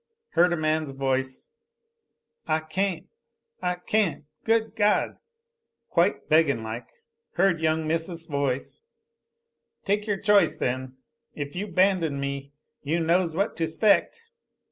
Heard a man's voice, "I can't I can't, Good God," quite beggin' like. Heard young Miss' voice, "Take your choice, then. If you 'bandon me, you knows what to 'spect."